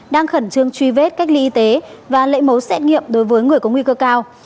đang khẩn trương truy vết cách ly y tế và lấy mẫu xét nghiệm đối với người có nguy cơ cao